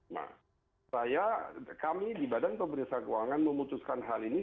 nah saya kami di badan pemeriksa keuangan memutuskan hal ini